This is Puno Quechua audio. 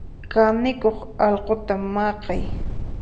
Kanikuq alquta maqay.